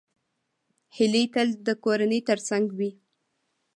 هیلۍ تل د کورنۍ تر څنګ وي